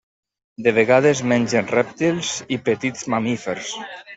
De vegades mengen rèptils i petits mamífers.